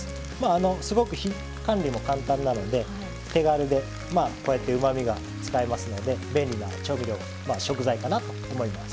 すごく管理も簡単なので手軽でこうやってうまみが使えますので便利な調味料食材かなと思います。